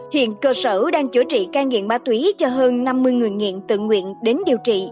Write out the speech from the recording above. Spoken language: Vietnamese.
hiện cơ sở đang chữa trị ca nghiện ma túy cho hơn năm mươi người nghiện tự nguyện đến điều trị